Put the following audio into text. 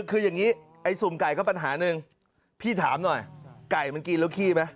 คืออย่างนี้ไอ้สุ่มไก่ก็ปัญหาหนึ่งพี่ถามหน่อยไก่มันกินแล้วขี้ไหม